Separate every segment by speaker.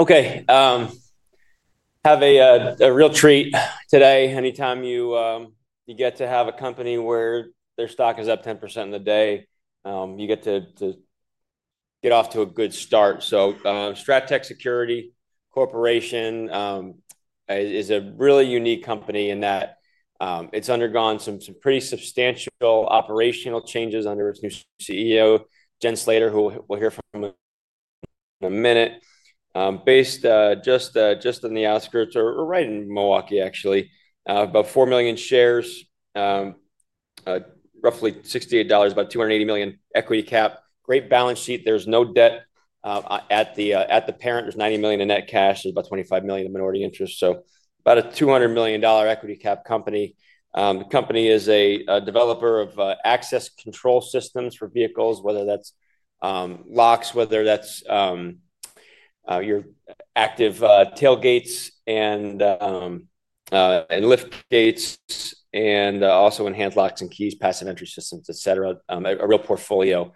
Speaker 1: Okay. Have a real treat today. Anytime you get to have a company where their stock is up 10% in the day, you get to get off to a good start. So STRATTEC Security Corporation is a really unique company in that it's undergone some pretty substantial operational changes under its new CEO, Jen Slater, who we'll hear from in a minute. Based just in the outskirts or right in Milwaukee, actually, about 4 million shares, roughly $68, about $280 million equity cap, great balance sheet. There's no debt at the parent. There's $90 million in net cash. There's about $25 million in minority interest. So about a $200 million equity cap company. The company is a developer of access control systems for vehicles, whether that's locks, whether that's your active tailgates and liftgates, and also enhanced locks and keys, passive entry systems, etc. A real portfolio.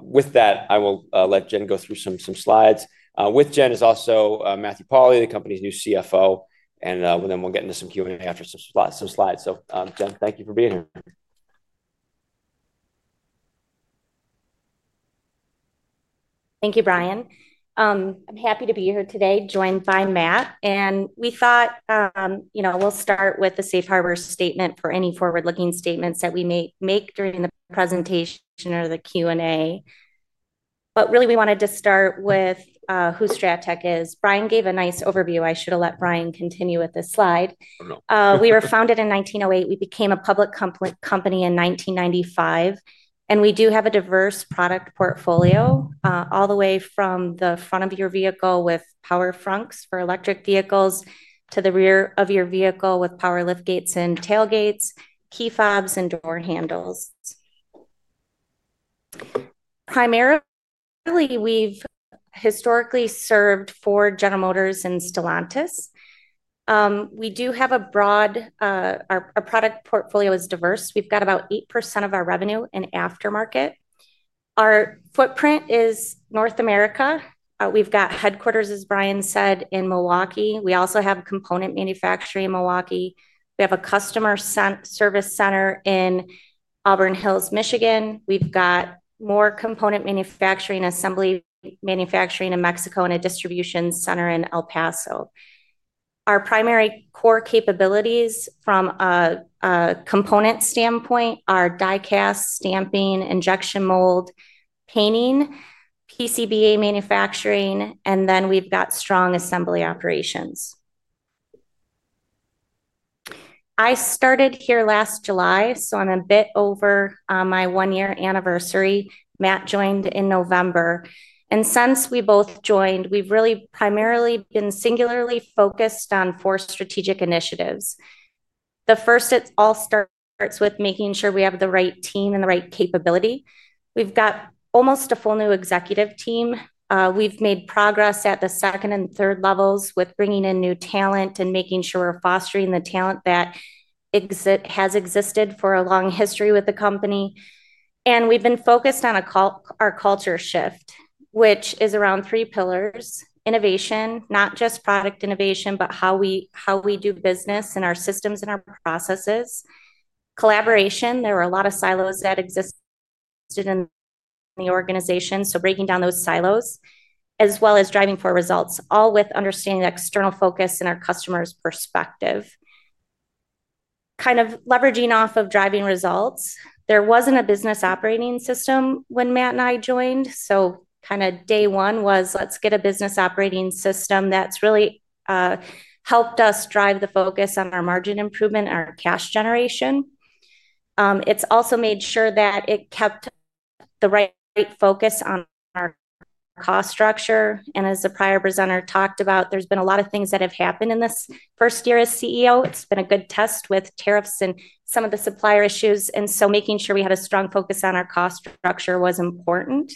Speaker 1: With that, I will let Jen go through some slides. With Jen is also Matthew Pauli, the company's new CFO. Then we'll get into some Q&A after some slides. Jen, thank you for being here.
Speaker 2: Thank you, Brian. I'm happy to be here today joined by Matt. We thought we would start with the Safe Harbor statement for any forward-looking statements that we may make during the presentation or the Q&A. Really, we wanted to start with who STRATTEC is. Brian gave a nice overview. I should have let Brian continue with this slide. We were founded in 1908. We became a public company in 1995. We do have a diverse product portfolio all the way from the front of your vehicle with power fronks for electric vehicles to the rear of your vehicle with power liftgates and tailgates, key fobs, and door handles. Primarily, we've historically served Ford, General Motors, and Stellantis. We do have a broad product portfolio. Our product portfolio is diverse. We've got about 8% of our revenue in aftermarket. Our footprint is North America. We've got headquarters, as Brian said, in Milwaukee. We also have component manufacturing in Milwaukee. We have a customer service center in Auburn Hills, Michigan. We've got more component manufacturing and assembly manufacturing in Mexico and a distribution center in El Paso. Our primary core capabilities from a component standpoint are die cast, stamping, injection mold, painting, PCBA manufacturing, and then we've got strong assembly operations. I started here last July, so I'm a bit over my one-year anniversary. Matt joined in November. Since we both joined, we've really primarily been singularly focused on four strategic initiatives. The first, it all starts with making sure we have the right team and the right capability. We've got almost a full new executive team. We've made progress at the second and third levels with bringing in new talent and making sure we're fostering the talent that has existed for a long history with the company. We've been focused on our culture shift, which is around three pillars: innovation, not just product innovation, but how we do business and our systems and our processes; collaboration, there are a lot of silos that exist in the organization, so breaking down those silos; as well as driving for results, all with understanding the external focus and our customer's perspective. Kind of leveraging off of driving results, there was not a business operating system when Matt and I joined. Kind of day one was, "Let's get a business operating system that's really helped us drive the focus on our margin improvement and our cash generation." It's also made sure that it kept the right focus on our cost structure. As the prior presenter talked about, there's been a lot of things that have happened in this first year as CEO. It's been a good test with tariffs and some of the supplier issues. Making sure we had a strong focus on our cost structure was important.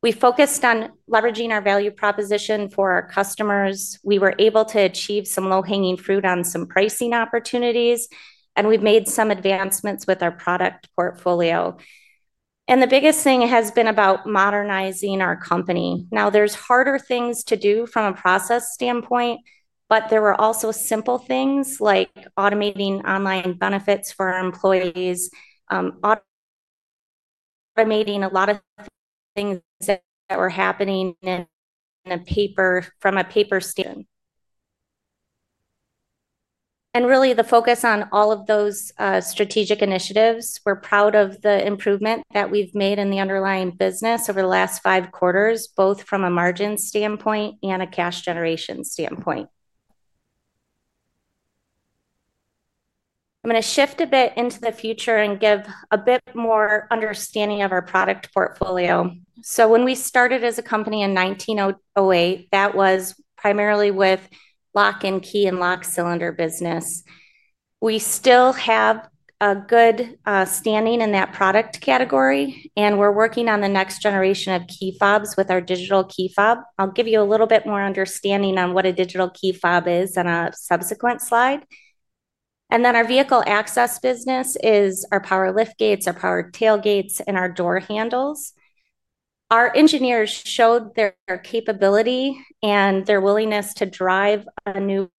Speaker 2: We focused on leveraging our value proposition for our customers. We were able to achieve some low-hanging fruit on some pricing opportunities. We've made some advancements with our product portfolio. The biggest thing has been about modernizing our company. There are harder things to do from a process standpoint, but there were also simple things like automating online benefits for our employees, automating a lot of things that were happening from a paper station. And really the focus on all of those strategic initiatives, we're proud of the improvement that we've made in the underlying business over the last five quarters, both from a margin standpoint and a cash generation standpoint. I'm going to shift a bit into the future and give a bit more understanding of our product portfolio. When we started as a company in 1908, that was primarily with lock and key and lock cylinder business. We still have a good standing in that product category. We're working on the next generation of key fobs with our digital key fob. I'll give you a little bit more understanding on what a digital key fob is on a subsequent slide. Our vehicle access business is our power liftgates, our power tailgates, and our door handles. Our engineers showed their capability and their willingness to drive a new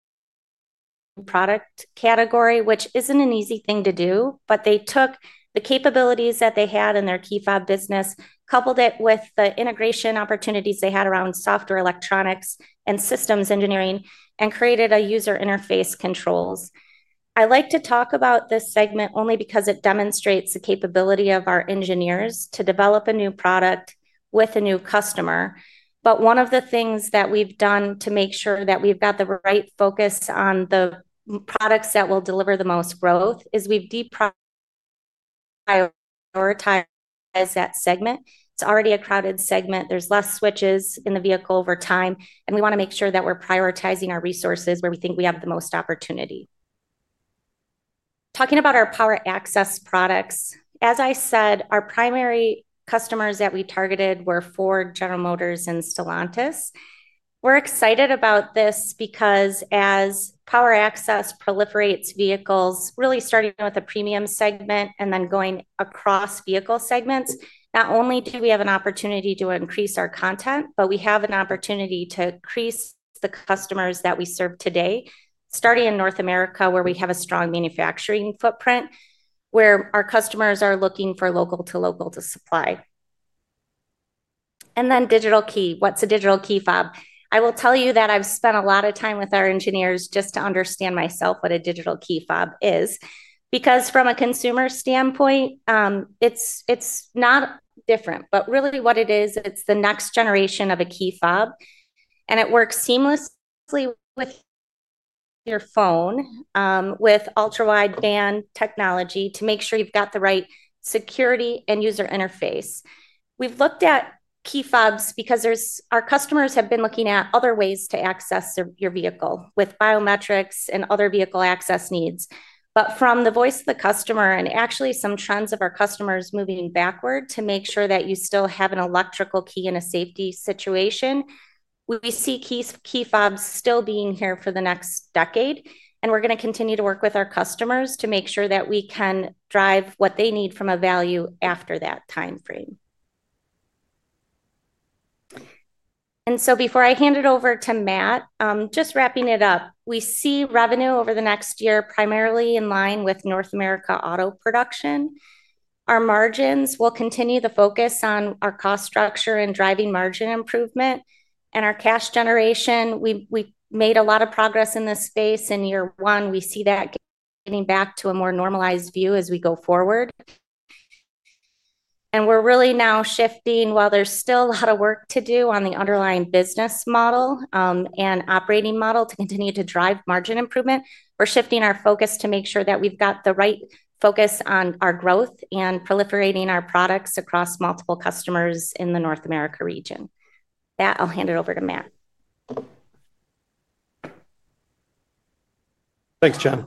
Speaker 2: product category, which isn't an easy thing to do, but they took the capabilities that they had in their key fob business, coupled it with the integration opportunities they had around software electronics and systems engineering, and created a user interface controls. I like to talk about this segment only because it demonstrates the capability of our engineers to develop a new product with a new customer. One of the things that we've done to make sure that we've got the right focus on the products that will deliver the most growth is we've deprioritized that segment. It's already a crowded segment. There are less switches in the vehicle over time. We want to make sure that we're prioritizing our resources where we think we have the most opportunity. Talking about our power access products, as I said, our primary customers that we targeted were Ford, General Motors, and Stellantis. We're excited about this because as power access proliferates, vehicles really starting with a premium segment and then going across vehicle segments, not only do we have an opportunity to increase our content, but we have an opportunity to increase the customers that we serve today, starting in North America where we have a strong manufacturing footprint, where our customers are looking for local-to-local to supply. Digital key. What's a digital key fob? I will tell you that I've spent a lot of time with our engineers just to understand myself what a digital key fob is. From a consumer standpoint, it's not different, but really what it is, it's the next generation of a key fob. It works seamlessly with your phone, with ultra-wideband technology to make sure you've got the right security and user interface. We've looked at key fobs because our customers have been looking at other ways to access your vehicle with biometrics and other vehicle access needs. From the voice of the customer and actually some trends of our customers moving backward to make sure that you still have an electrical key in a safety situation, we see key fobs still being here for the next decade. We're going to continue to work with our customers to make sure that we can drive what they need from a value after that timeframe. Before I hand it over to Matt, just wrapping it up, we see revenue over the next year primarily in line with North America auto production. Our margins will continue the focus on our cost structure and driving margin improvement. Our cash generation, we made a lot of progress in this space in year one. We see that getting back to a more normalized view as we go forward. We're really now shifting, while there's still a lot of work to do on the underlying business model and operating model to continue to drive margin improvement, we're shifting our focus to make sure that we've got the right focus on our growth and proliferating our products across multiple customers in the North America region. Matt, I'll hand it over to Matt.
Speaker 3: Thanks, Jen.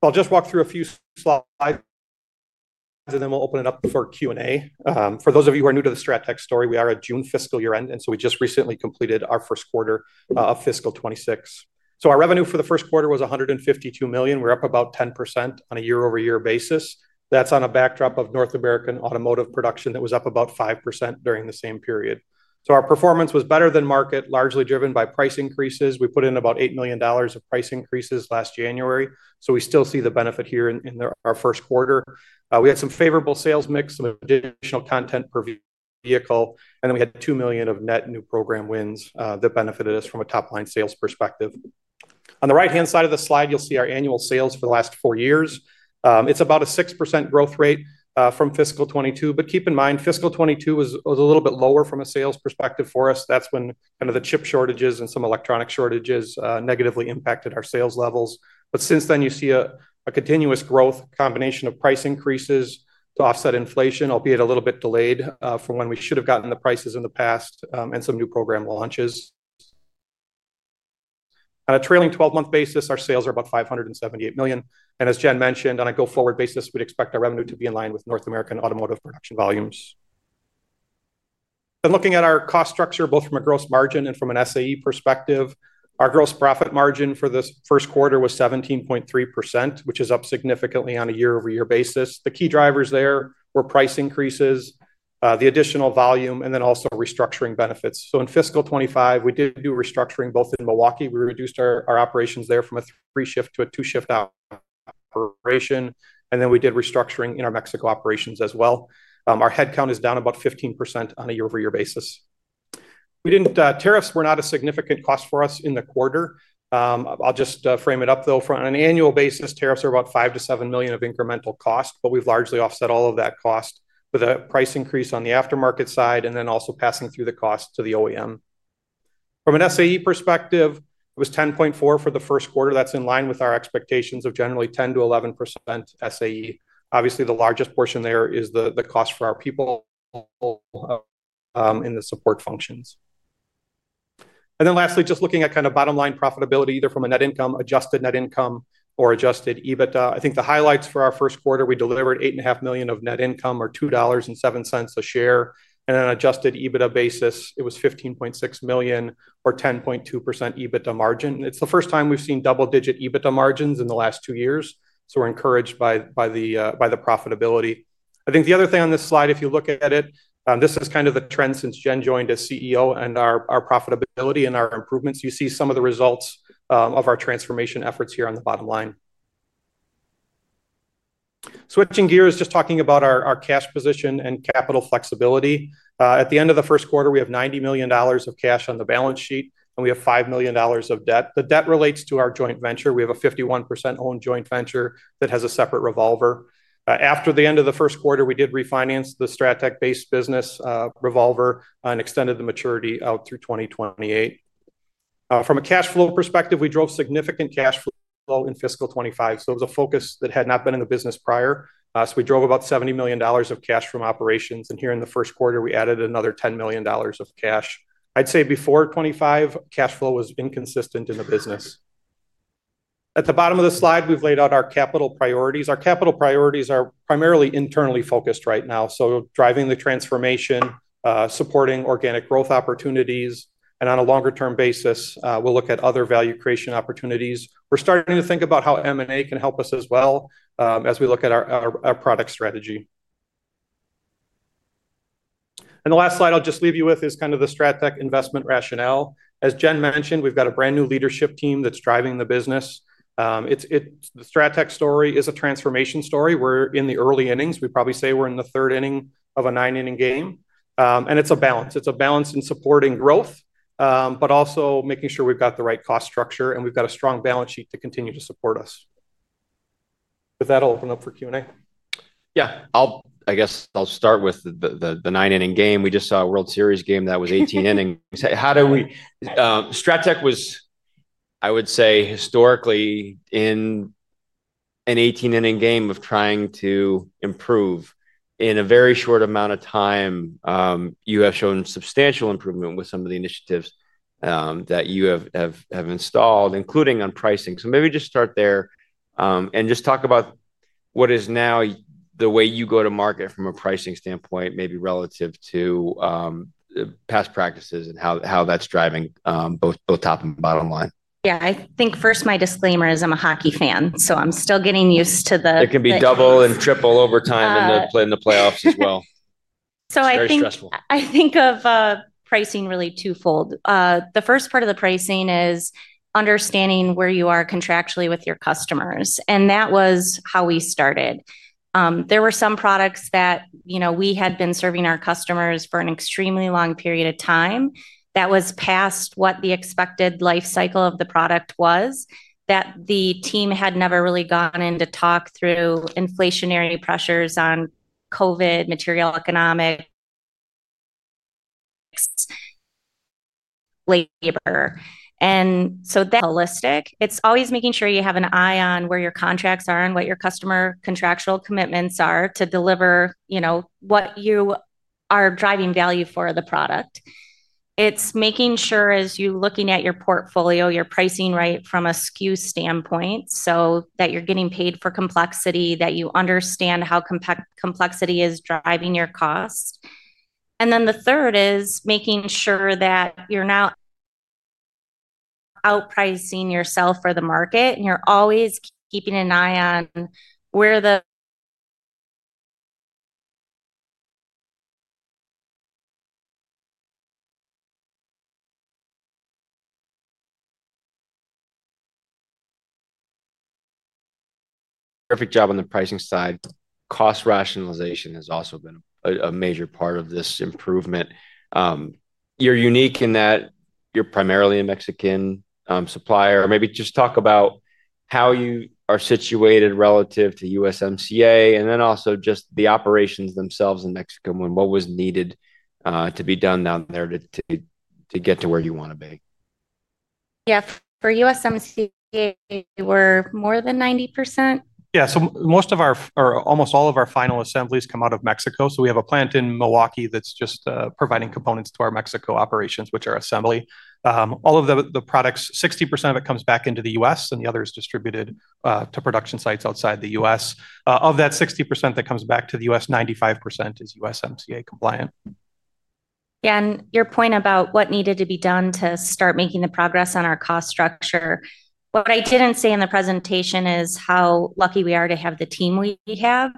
Speaker 3: I'll just walk through a few slides. And then we'll open it up for Q&A. For those of you who are new to the STRATTEC story, we are at June fiscal year-end. And so we just recently completed our first quarter of fiscal 2026. So our revenue for the first quarter was $152 million. We're up about 10% on a year-over-year basis. That's on a backdrop of North American automotive production that was up about 5% during the same period. So our performance was better than market, largely driven by price increases. We put in about $8 million of price increases last January. So we still see the benefit here in our first quarter. We had some favorable sales mix, some additional content per vehicle. And then we had $2 million of net new program wins that benefited us from a top-line sales perspective. On the right-hand side of the slide, you'll see our annual sales for the last four years. It's about a 6% growth rate from fiscal 2022. But keep in mind, fiscal 2022 was a little bit lower from a sales perspective for us. That's when kind of the chip shortages and some electronic shortages negatively impacted our sales levels. But since then, you see a continuous growth, a combination of price increases to offset inflation, albeit a little bit delayed from when we should have gotten the prices in the past and some new program launches. On a trailing 12-month basis, our sales are about $578 million. And as Jen mentioned, on a go-forward basis, we'd expect our revenue to be in line with North American automotive production volumes. And looking at our cost structure, both from a gross margin and from an SAE perspective, our gross profit margin for this first quarter was 17.3%, which is up significantly on a year-over-year basis. The key drivers there were price increases, the additional volume, and then also restructuring benefits. So in fiscal 2025, we did do restructuring both in Milwaukee. We reduced our operations there from a three-shift to a two-shift operation. And then we did restructuring in our Mexico operations as well. Our headcount is down about 15% on a year-over-year basis. Tariffs were not a significant cost for us in the quarter. I'll just frame it up, though. On an annual basis, tariffs are about $5 million-7 million of incremental cost, but we've largely offset all of that cost with a price increase on the aftermarket side and then also passing through the cost to the OEM. From an SAE perspective, it was 10.4% for the first quarter. That's in line with our expectations of generally 10%-11% SAE. Obviously, the largest portion there is the cost for our people. In the support functions. Lastly, just looking at kind of bottom-line profitability, either from a net income, adjusted net income, or adjusted EBITDA, I think the highlights for our first quarter, we delivered $8.5 million of net income or $2.07 a share. On an adjusted EBITDA basis, it was $15.6 million or 10.2% EBITDA margin. It's the first time we've seen double-digit EBITDA margins in the last two years. We're encouraged by the profitability. I think the other thing on this slide, if you look at it, this is kind of the trend since Jen joined as CEO and our profitability and our improvements. You see some of the results of our transformation efforts here on the bottom line. Switching gears, just talking about our cash position and capital flexibility. At the end of the first quarter, we have $90 million of cash on the balance sheet, and we have $5 million of debt. The debt relates to our joint venture. We have a 51% owned joint venture that has a separate revolver. After the end of the first quarter, we did refinance the STRATTEC-based business revolver and extended the maturity out through 2028. From a cash flow perspective, we drove significant cash flow in fiscal 2025. It was a focus that had not been in the business prior. We drove about $70 million of cash from operations. Here in the first quarter, we added another $10 million of cash. I'd say before 2025, cash flow was inconsistent in the business. At the bottom of the slide, we've laid out our capital priorities. Our capital priorities are primarily internally focused right now. Driving the transformation, supporting organic growth opportunities, and on a longer-term basis, we'll look at other value creation opportunities. We're starting to think about how M&A can help us as well as we look at our product strategy. The last slide I'll just leave you with is kind of the STRATTEC investment rationale. As Jen mentioned, we've got a brand new leadership team that's driving the business. The STRATTEC story is a transformation story. We're in the early innings. We probably say we're in the third inning of a nine-inning game. It's a balance. It's a balance in supporting growth, but also making sure we've got the right cost structure and we've got a strong balance sheet to continue to support us. With that, I'll open up for Q&A.
Speaker 1: Yeah. I guess I'll start with the nine-inning game. We just saw a World Series game that was 18 innings. STRATTEC was, I would say, historically, in an 18-inning game of trying to improve. In a very short amount of time, you have shown substantial improvement with some of the initiatives that you have installed, including on pricing. Maybe just start there and just talk about what is now the way you go to market from a pricing standpoint, maybe relative to past practices and how that's driving both top and bottom line.
Speaker 2: Yeah. I think first, my disclaimer is I'm a hockey fan. So I'm still getting used to the.
Speaker 1: It can be double and triple over time in the playoffs as well.
Speaker 2: I think.
Speaker 1: Very stressful.
Speaker 2: I think of pricing really twofold. The first part of the pricing is understanding where you are contractually with your customers. That was how we started. There were some products that we had been serving our customers for an extremely long period of time that was past what the expected life cycle of the product was, that the team had never really gone in to talk through inflationary pressures on COVID, material economics, labor. Holistic, it's always making sure you have an eye on where your contracts are and what your customer contractual commitments are to deliver what you are driving value for the product. It's making sure, as you're looking at your portfolio, you're pricing right from a SKU standpoint so that you're getting paid for complexity, that you understand how complexity is driving your cost. The third is making sure that you're not outpricing yourself for the market. You're always keeping an eye on where the [audio
Speaker 1: Perfect job on the pricing side. Cost rationalization has also been a major part of this improvement. You're unique in that you're primarily a Mexican supplier. Maybe just talk about how you are situated relative to USMCA and then also just the operations themselves in Mexico and what was needed to be done down there to get to where you want to be.
Speaker 2: Yeah. For USMCA, we're more than 90%.
Speaker 3: Yeah. Most of our or almost all of our final assemblies come out of Mexico. We have a plant in Milwaukee that's just providing components to our Mexico operations, which are assembly. All of the products, 60% of it comes back into the U.S., and the other is distributed to production sites outside the U.S. Of that 60% that comes back to the U.S., 95% is USMCA compliant.
Speaker 2: Yeah. Your point about what needed to be done to start making the progress on our cost structure, what I did not say in the presentation is how lucky we are to have the team we have.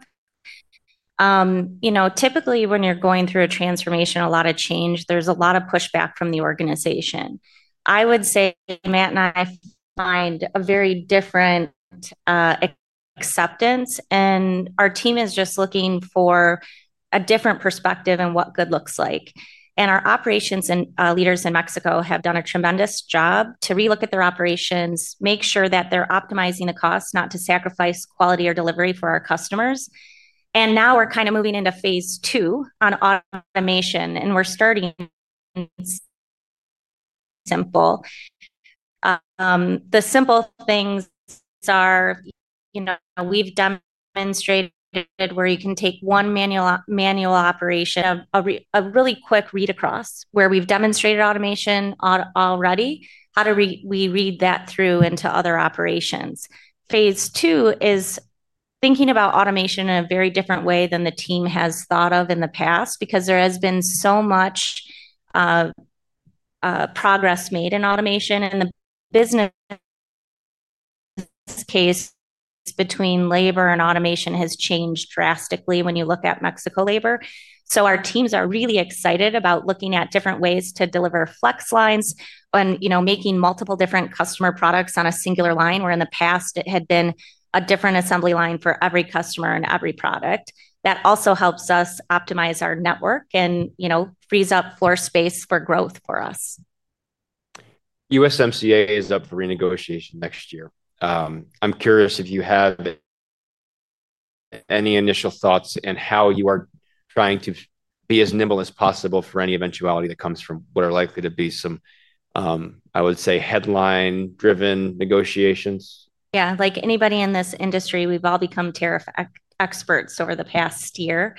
Speaker 2: Typically, when you are going through a transformation, a lot of change, there is a lot of pushback from the organization. I would say Matt and I find a very different acceptance. Our team is just looking for a different perspective on what good looks like. Our operations and leaders in Mexico have done a tremendous job to relook at their operations, make sure that they are optimizing the cost, not to sacrifice quality or delivery for our customers. Now we are kind of moving into phase two on automation. We are starting simple. The simple things are, we have demonstrated where you can take one manual operation, a really quick read across where we have demonstrated automation already, how do we read that through into other operations. Phase two is thinking about automation in a very different way than the team has thought of in the past because there has been so much progress made in automation. The business case between labor and automation has changed drastically when you look at Mexico labor. Our teams are really excited about looking at different ways to deliver flex lines and making multiple different customer products on a singular line where in the past, it had been a different assembly line for every customer and every product. That also helps us optimize our network and frees up floor space for growth for us.
Speaker 1: USMCA is up for renegotiation next year. I'm curious if you have any initial thoughts in how you are trying to be as nimble as possible for any eventuality that comes from what are likely to be some, I would say, headline-driven negotiations.
Speaker 2: Yeah. Like anybody in this industry, we've all become tariff experts over the past year.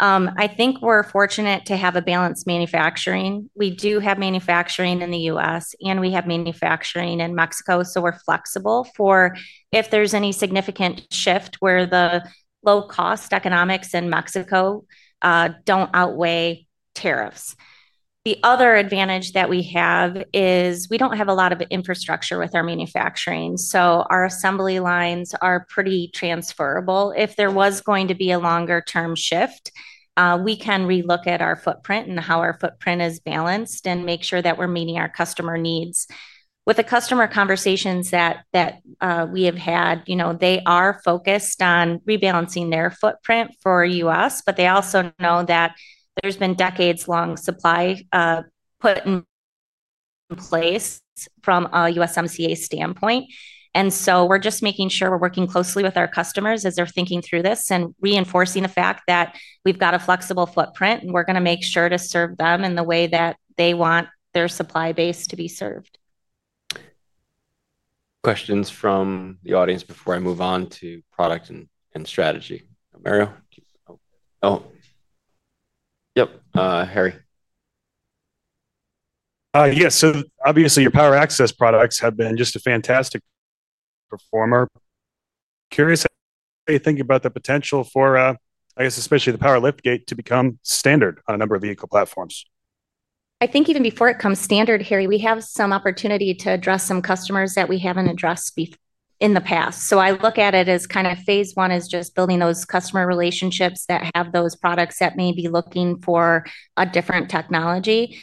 Speaker 2: I think we're fortunate to have a balanced manufacturing. We do have manufacturing in the U.S., and we have manufacturing in Mexico. We are flexible for if there's any significant shift where the low-cost economics in Mexico do not outweigh tariffs. The other advantage that we have is we do not have a lot of infrastructure with our manufacturing. Our assembly lines are pretty transferable. If there was going to be a longer-term shift, we can relook at our footprint and how our footprint is balanced and make sure that we're meeting our customer needs. With the customer conversations that we have had, they are focused on rebalancing their footprint for U.S., but they also know that there has been decades-long supply put in place from a USMCA standpoint. We are just making sure we are working closely with our customers as they are thinking through this and reinforcing the fact that we have got a flexible footprint, and we are going to make sure to serve them in the way that they want their supply base to be served.
Speaker 1: Questions from the audience before I move on to product and strategy? Mario? Oh. Yep. Harry. Yes. So obviously, your power access products have been just a fantastic performer. Curious how you're thinking about the potential for, I guess, especially the power liftgate to become standard on a number of vehicle platforms.
Speaker 2: I think even before it comes standard, Harry, we have some opportunity to address some customers that we haven't addressed in the past. I look at it as kind of phase one is just building those customer relationships that have those products that may be looking for a different technology.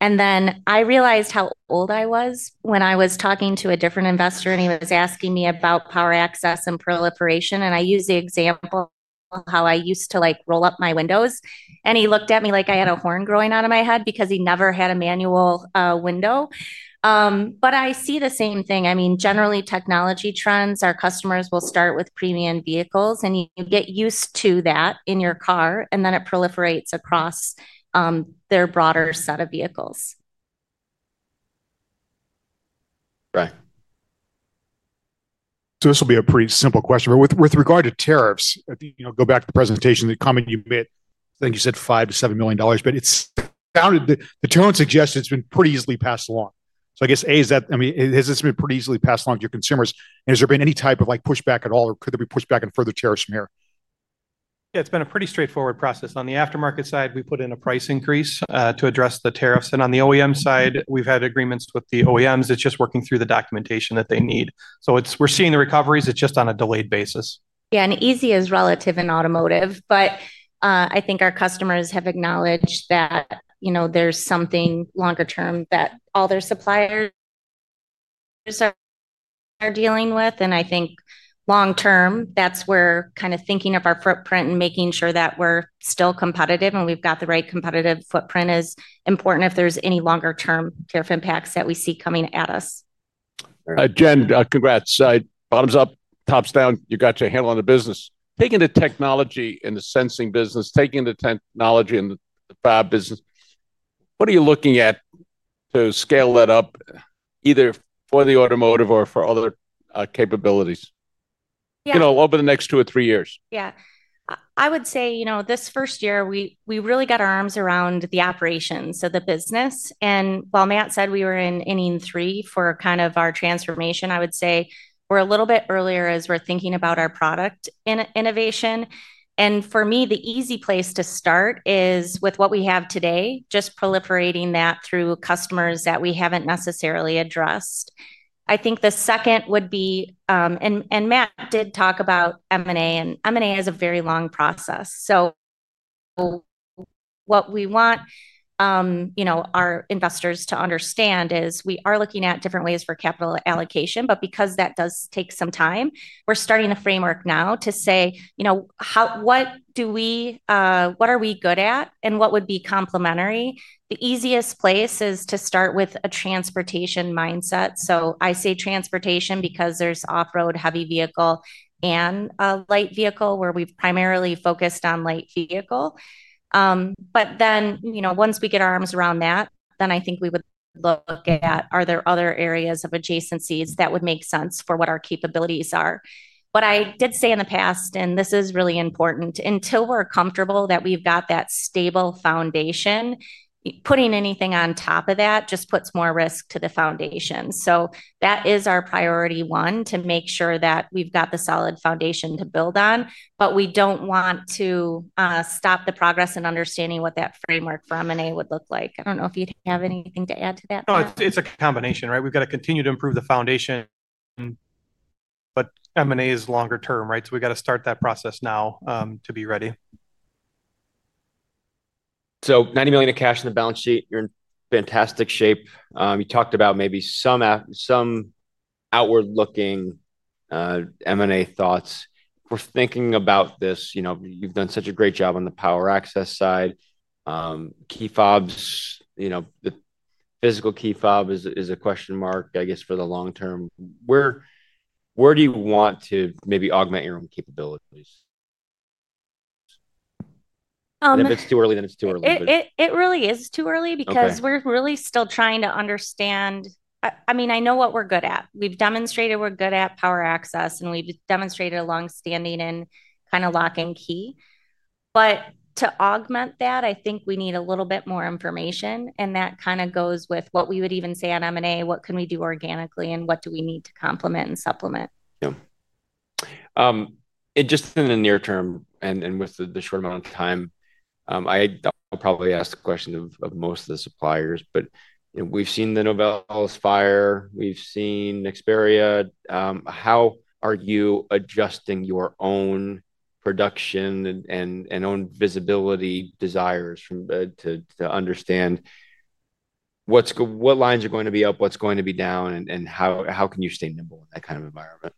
Speaker 2: I realized how old I was when I was talking to a different investor, and he was asking me about power access and proliferation. I used the example of how I used to roll up my windows. He looked at me like I had a horn growing out of my head because he never had a manual window. I see the same thing. I mean, generally, technology trends, our customers will start with premium vehicles, and you get used to that in your car, and then it proliferates across their broader set of vehicles. Right. This will be a pretty simple question. With regard to tariffs, go back to the presentation, the comment you made, I think you said $5 million-$7 million, but it sounded, the tone suggested it's been pretty easily passed along. I guess, A, is that, I mean, has this been pretty easily passed along to your consumers? Has there been any type of pushback at all, or could there be pushback on further tariffs from here?
Speaker 3: Yeah. It's been a pretty straightforward process. On the aftermarket side, we put in a price increase to address the tariffs. On the OEM side, we've had agreements with the OEMs. It's just working through the documentation that they need. We're seeing the recoveries. It's just on a delayed basis.
Speaker 2: Yeah. Easy is relative in automotive. I think our customers have acknowledged that. There is something longer-term that all their suppliers are dealing with. I think long-term, that is where kind of thinking of our footprint and making sure that we are still competitive and we have got the right competitive footprint is important if there are any longer-term tariff impacts that we see coming at us. Jen, congrats. Bottoms up, tops down. You got your handle on the business. Taking the technology in the sensing business, taking the technology in the fab business. What are you looking at to scale that up either for the automotive or for other capabilities over the next two or three years? Yeah. I would say this first year, we really got our arms around the operations, so the business. While Matt said we were in inning three for kind of our transformation, I would say we're a little bit earlier as we're thinking about our product innovation. For me, the easy place to start is with what we have today, just proliferating that through customers that we haven't necessarily addressed. I think the second would be, and Matt did talk about M&A, and M&A is a very long process. What we want our investors to understand is we are looking at different ways for capital allocation. Because that does take some time, we're starting a framework now to say, what are we good at and what would be complementary? The easiest place is to start with a transportation mindset. I say transportation because there's off-road heavy vehicle and a light vehicle where we've primarily focused on light vehicle. Once we get our arms around that, then I think we would look at, are there other areas of adjacencies that would make sense for what our capabilities are? I did say in the past, and this is really important, until we're comfortable that we've got that stable foundation, putting anything on top of that just puts more risk to the foundation. That is our priority one, to make sure that we've got the solid foundation to build on. We don't want to stop the progress in understanding what that framework for M&A would look like. I don't know if you'd have anything to add to that.
Speaker 3: No, it's a combination, right? We've got to continue to improve the foundation. M&A is longer-term, right? We got to start that process now to be ready.
Speaker 1: $90 million in cash in the balance sheet. You're in fantastic shape. You talked about maybe some outward-looking M&A thoughts. We're thinking about this. You've done such a great job on the power access side. Key fobs. The physical key fob is a question mark, I guess, for the long term. Where do you want to maybe augment your own capabilities? If it's too early, then it's too early.
Speaker 2: It really is too early because we're really still trying to understand. I mean, I know what we're good at. We've demonstrated we're good at power access, and we've demonstrated longstanding and kind of lock and key. To augment that, I think we need a little bit more information. That kind of goes with what we would even say on M&A, what can we do organically, and what do we need to complement and supplement?
Speaker 1: Yeah. And just in the near term and with the short amount of time, I'll probably ask the question of most of the suppliers. We've seen the Novelis fire. We've seen Nexperia. How are you adjusting your own production and own visibility desires to understand what lines are going to be up, what's going to be down, and how can you stay nimble in that kind of environment?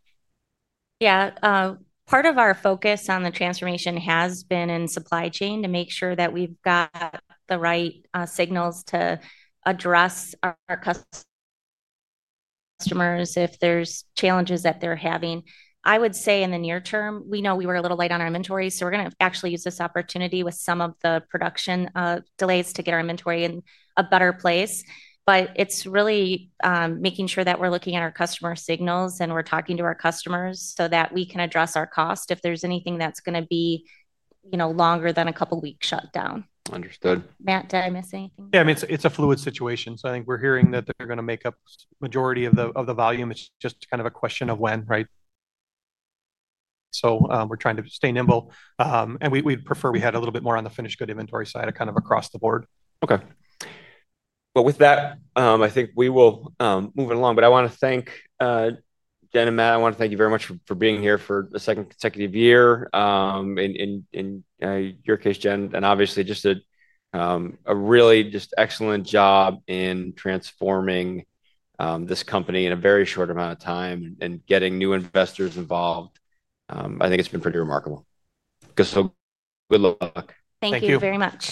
Speaker 2: Yeah. Part of our focus on the transformation has been in supply chain to make sure that we've got the right signals to address our customers if there's challenges that they're having. I would say in the near term, we know we were a little late on our inventory, so we're going to actually use this opportunity with some of the production delays to get our inventory in a better place. It is really making sure that we're looking at our customer signals and we're talking to our customers so that we can address our cost if there's anything that's going to be longer than a couple of weeks shut down.
Speaker 1: Understood.
Speaker 2: Matt, did I miss anything?
Speaker 3: Yeah. I mean, it's a fluid situation. I think we're hearing that they're going to make up the majority of the volume. It's just kind of a question of when, right? We're trying to stay nimble. We'd prefer we had a little bit more on the finished good inventory side kind of across the board.
Speaker 1: Okay. With that, I think we will move it along. I want to thank Jen and Matt. I want to thank you very much for being here for the second consecutive year in your case, Jen, and obviously just a really just excellent job in transforming this company in a very short amount of time and getting new investors involved. I think it's been pretty remarkable. Good luck.
Speaker 2: Thank you very much.